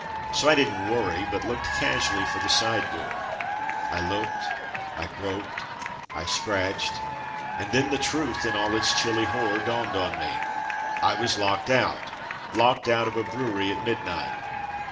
So I didn't worry, but looked casually for the side door. I looked, 282 From Mud to Mufti I groped, I scratched, and then the truth, in all its chilly horror, dawned on me. I was locked out! Locked out of a brewery at midnight!